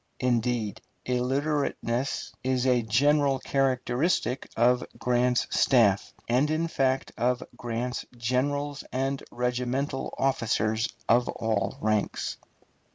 Indeed, illiterateness is a general characteristic of Grant's staff, and in fact of Grant's generals and regimental officers of all ranks.